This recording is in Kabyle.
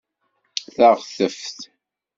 Taɣteft